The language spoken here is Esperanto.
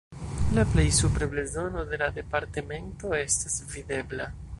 La plej supre blazono de la departemento estas videbla.